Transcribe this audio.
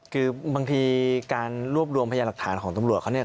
คือบางทีการรวบรวมพยานหลักฐานของตำรวจเขาเนี่ย